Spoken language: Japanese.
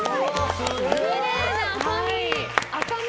きれいな赤身！